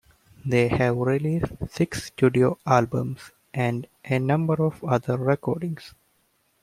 They have released six studio albums and a number of other recordings.